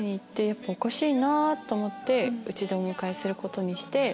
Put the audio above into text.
やっぱおかしいなぁと思ってうちでお迎えすることにして。